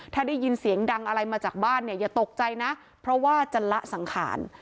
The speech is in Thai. ถ้าได้ยินเสียงดังอะไรมาจากบ้านเนี่ยอย่าตกใจนะเพราะว่าจะละสังขาร